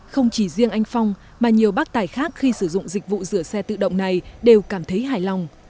không chỉ riêng anh phong mà nhiều bác tài khác khi sử dụng dịch vụ rửa xe tự động này đều cảm thấy hài lòng